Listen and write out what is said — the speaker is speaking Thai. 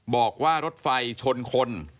บอกว่ารถไฟชนคน